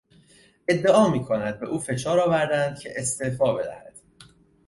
ادعا میکند به او فشار آوردند که استعفا بدهد.